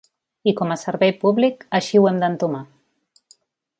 I com a servei públic, així ho hem d’entomar.